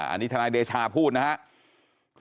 อันนี้ทนายเดชาพูดนะครับ